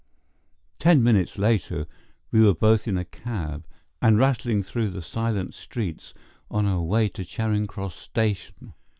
Ten minutes later we were both in a cab, and rattling through the silent streets on our way to Charing Cross Station.